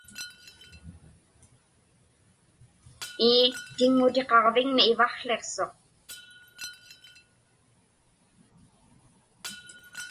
Ii, tiŋŋutiqaġviŋmi ivaqłiqsuq.